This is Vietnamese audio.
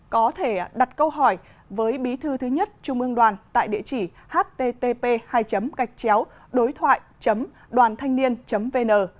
có thể đặt câu hỏi với bí thư thứ nhất trung ương đoàn tại địa chỉ http đốithoại đoànthanhniên vn